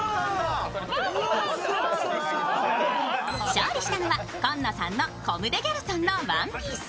勝利したのは紺野さんのコム・デ・ギャルソンのワンピース。